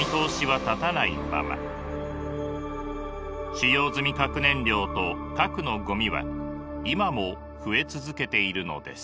使用済み核燃料と核のゴミは今も増え続けているのです。